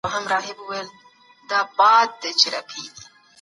په خاورو کې کار کول سترګو ته زیان رسوي.